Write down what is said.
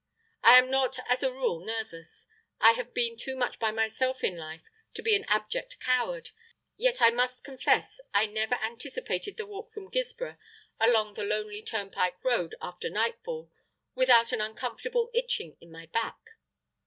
I am not as a rule nervous, I have been too much by myself in life to be an abject coward, yet I must confess I never anticipated the walk from Guilsborough along the lonely turnpike road after nightfall without an uncomfortable itching in my back.